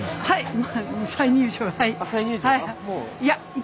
はい。